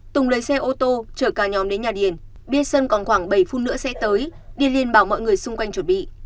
tùng lấy xe ô tô chở cả nhóm đến nhà điền biết sơn còn khoảng bảy phút nữa sẽ tới điền liên bảo mọi người xung quanh chuẩn bị